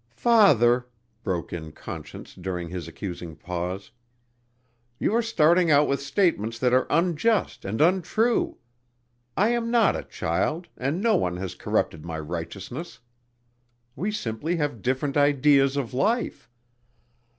"Father," broke in Conscience during his accusing pause, "you are starting out with statements that are unjust and untrue. I am not a child and no one has corrupted my righteousness. We simply have different ideas of life."